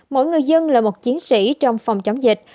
mỗi người dân là một chiến sĩ trong phòng chống dịch